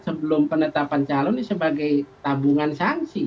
sebelum penetapan calon ini sebagai tabungan sanksi